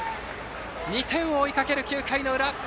２点を追いかける９回の裏。